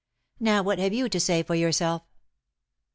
Now what have you to say for yourself?"